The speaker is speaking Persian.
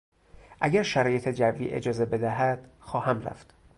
اگر شرایط جوی اجازه بدهد خواهم رفت.